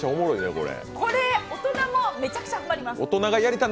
これ、大人もめちゃくちゃハマります。